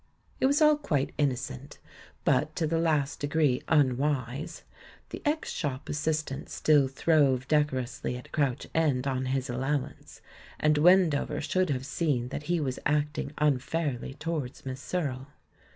It was all quite innocent, but to the last degree unwise. The ex shop assistant still throve decor ously at Crouch End on his allowance, and Wen dover should have seen that he was acting unfair ly towards Miss Searle.